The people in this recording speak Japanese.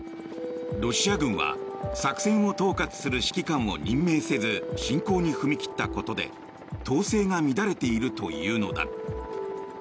ロシア軍は作戦を統括する指揮官を任命せず侵攻に踏み切ったことで統制が乱れているというのだ。